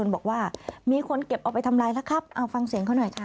บอกว่ามีคนเก็บเอาไปทำลายแล้วครับเอาฟังเสียงเขาหน่อยค่ะ